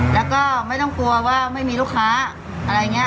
แล้วก็ไม่ต้องกลัวว่าไม่มีลูกค้าอะไรอย่างนี้